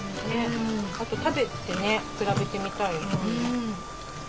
食べてね比べてみたいよ。